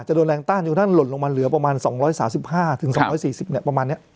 จะโดนแรงต้านอยู่ทั้งล่นลงมาเหลือประมาณสองร้อยสามสิบห้าถึงสองร้อยสี่สิบเนี้ยประมาณเนี้ย